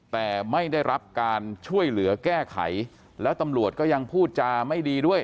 แต่ไม่ได้รับการช่วยเหลือแก้ไขแล้วตำรวจก็ยังพูดจาไม่ดีด้วย